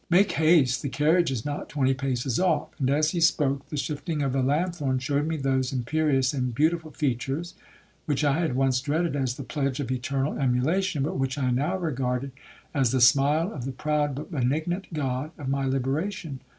Make haste, the carriage is not twenty paces off.' And, as he spoke, the shifting of a lanthorn shewed me those imperious and beautiful features, which I had once dreaded as the pledge of eternal emulation, but which I now regarded as the smile of the proud but benignant god of my liberation.